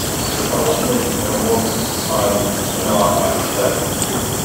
He fell asleep, and awoke to find Hanaud by his bed.